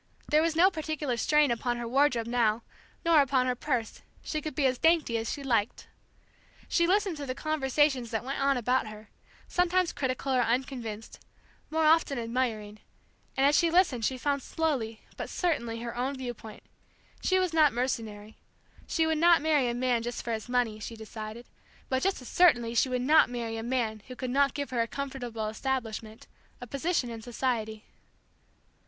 There was no particular strain upon her wardrobe now, nor upon her purse; she could be as dainty as she liked. She listened to the conversations that went on about her, sometimes critical or unconvinced; more often admiring; and as she listened she found slowly but certainly her own viewpoint. She was not mercenary. She would not marry a man just for his money, she decided, but just as certainly she would not marry a man who could not give her a comfortable establishment, a position in society.